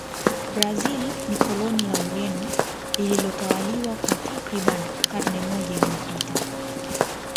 brazil ni koloni la ureno lililotawaliwa kwa takribani karne moja iliyopita